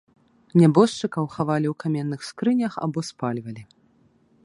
Нябожчыкаў хавалі ў каменных скрынях або спальвалі.